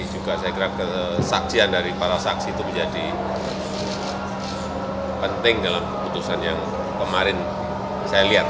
juga saya kira kesaksian dari para saksi itu menjadi penting dalam keputusan yang kemarin saya lihat